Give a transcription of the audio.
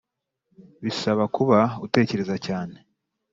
bisaba kuba utekereza cyane